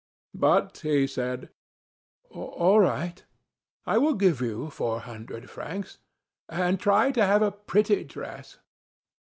But he said: "All right. I will give you four hundred francs. And try to have a pretty dress."